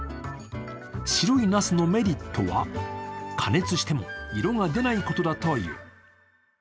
白いなすのメリットは加熱しても色が出ないことだという。